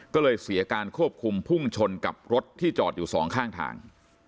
ก็เลยเสียการควบคุมพุ่งชนกับรถที่จอดอยู่สองข้างทาง